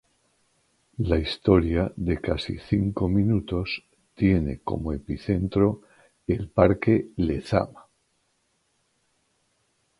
La historia, de casi cinco minutos, tiene como epicentro el parque Lezama.